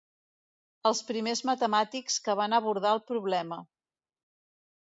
Els primers matemàtics que van abordar el problema.